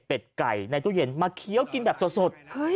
เป็นไก่ในตู้เย็นมาเคี้ยวกินแบบสด